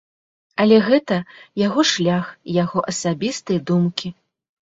Але гэта яго шлях і яго асабістыя думкі.